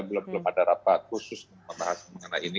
belum ada rapat khusus mengenai ini